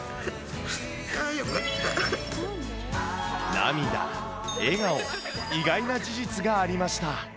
涙、笑顔、意外な事実がありました。